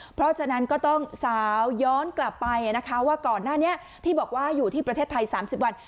เพราะฉะนั้นก็ต้องสาวย้อนกลับไปนะคะว่าก่อนหน้านี้ที่บอกว่าอยู่ที่ประเทศไทย๓๐วัน